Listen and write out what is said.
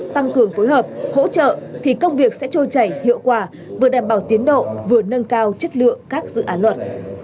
tăng cường phối hợp hỗ trợ thì công việc sẽ trôi chảy hiệu quả vừa đảm bảo tiến độ vừa nâng cao chất lượng các dự án luật